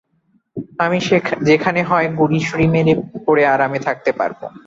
আমি যেখানে হয় গুড়িসুড়ি মেরে পড়ে আরামে থাকতে পারব।